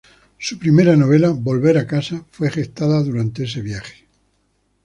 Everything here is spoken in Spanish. Su primera novela, "Volver a casa", fue gestada durante ese viaje.